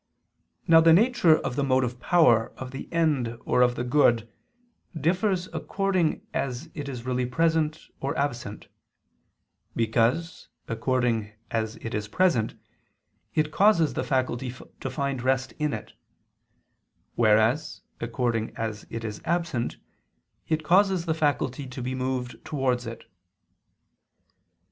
Now the nature of the motive power of the end or of the good, differs according as it is really present, or absent: because, according as it is present, it causes the faculty to find rest in it; whereas, according as it is absent, it causes the faculty to be moved towards it.